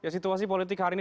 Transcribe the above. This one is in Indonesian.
situasi politik hari ini